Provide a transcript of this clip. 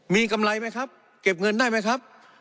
มีกำไรไหมครับเก็บเงินได้ไหมครับ